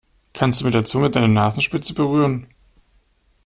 Kannst du mit der Zunge deine Nasenspitze berühren?